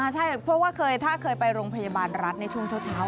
ใช่เพราะว่าถ้าเคยไปโรงพยาบาลรัฐในช่วงเช้า